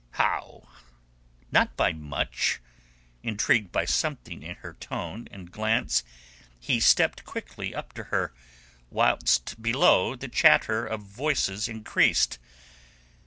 "How? Not by much?" Intrigued by something in her tone and glance, he stepped quickly up to her, whilst below the chatter of voices increased.